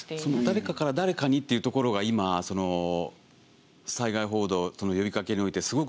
誰かから誰かにっていうところが今その災害報道呼びかけにおいてすごく大事なところで。